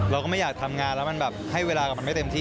เราก็ไม่อยากทำงานแล้วมันแบบให้เวลากับมันไม่เต็มที่